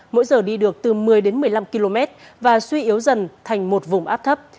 mỗi giờ đi được từ một mươi đến một mươi năm km và suy yếu dần thành một vùng áp thấp